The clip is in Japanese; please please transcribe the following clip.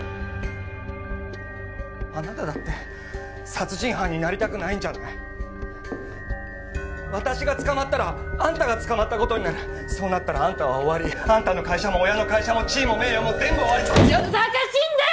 あなただって殺人犯になりたくないんじゃない私が捕まったらあんたが捕まったことになるそうなったらあんたは終わりあんたの会社も親の会社も地位も名誉も全部終わり小ざかしいんだよ